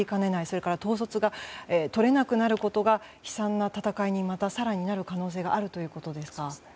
それから統率が取れなくなることが悲惨な戦いにまた、更になる可能性があるということですか。